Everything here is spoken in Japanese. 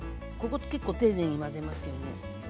ここ結構丁寧に混ぜますよね。